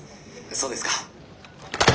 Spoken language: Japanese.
「そうですか」。